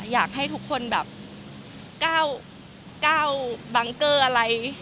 อยากให้ทุกคนแบบก้าวบังเกอร์อะไร